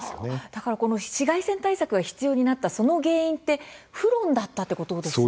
だからこの紫外線対策が必要になったその原因ってフロンだったってことですよね？